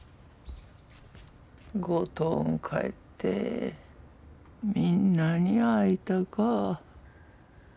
五島ん帰ってみんなに会いたか。